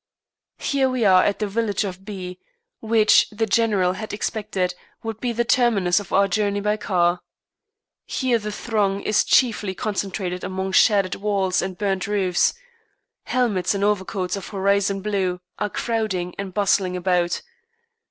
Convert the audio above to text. Here we are at the village of B , which, the General had expected, would be the terminus of our journey by car. Here the throng is chiefly concentrated among shattered walls and burnt roofs; helmets and overcoats of "horizon" blue are crowding and bustling about.